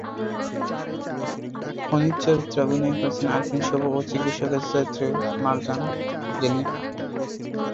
খুনির চরিত্রে অভিনয় করেছে আরিফিন শুভ এবং চিকিৎসকের চরিত্রে মারজান জেনিফা।